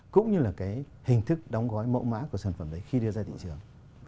cũng như là cái hình thức đóng gói mẫu mã của sản phẩm đấy khi đưa ra thị trường